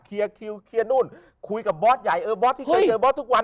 คิวเคลียร์นู่นคุยกับบอสใหญ่เออบอสที่เคยเจอบอสทุกวัน